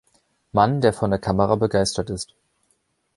Mann, der von der Kamera begeistert ist.